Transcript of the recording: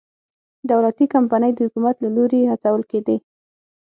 دولتي کمپنۍ د حکومت له لوري هڅول کېدې.